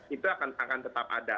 itu akan tetap ada